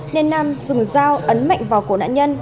nên nam dùng dao ấn mạnh vào cổ nạn nhân